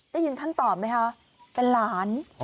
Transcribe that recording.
ได้ยินตั้งติดนะคะ